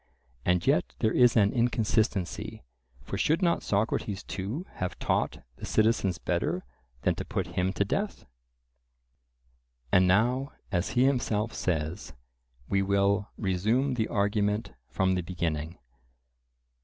And yet there is an inconsistency: for should not Socrates too have taught the citizens better than to put him to death? And now, as he himself says, we will "resume the argument from the beginning."